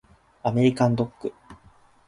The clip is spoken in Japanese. アメリカンドッグ